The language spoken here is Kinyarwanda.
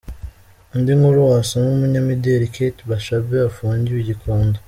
Indi nkuru wasoma: Umunyamideli Kate Bashabe afungiwe i Gikondo.